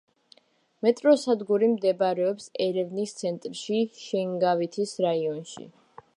მეტროსადგური მდებარეობს ერევნის ცენტრში, შენგავითის რაიონში.